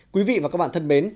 quý vị và các bạn thân mến